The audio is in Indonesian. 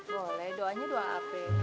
boleh doanya doa apa ya